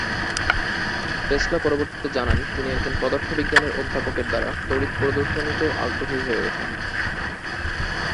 Tesla পরবর্তীতে জানান তিনি একজন পদার্থ বিজ্ঞানের অধ্যাপকের দ্বারা তড়িৎ প্রদর্শনীতে আগ্রহী হয়ে ওঠেন।